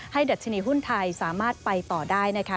ดัชนีหุ้นไทยสามารถไปต่อได้นะคะ